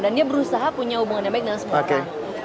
dan dia berusaha punya hubungan yang baik dengan semua orang